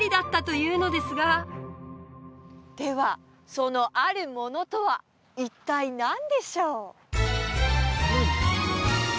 その「あるもの」とは一体何でしょう？